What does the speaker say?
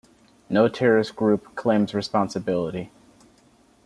No terrorist group claims responsibility.